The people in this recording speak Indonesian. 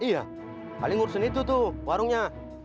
iya halim urusan itu tuh warungnya